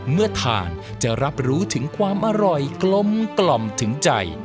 เมื่อทานจะรับรู้ถึงความอร่อยกลมกล่อมถึงใจ